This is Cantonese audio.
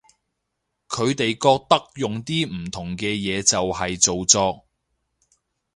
佢哋覺得用啲唔同嘅嘢就係造作